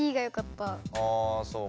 あそうか。